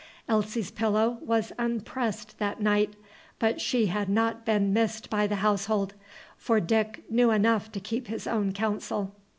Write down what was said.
Elsie's pillow was unpressed that night, but she had not been missed by the household, for Dick knew enough to keep his own counsel.